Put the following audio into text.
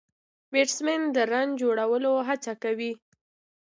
بيټسمېن د رن جوړولو هڅه کوي.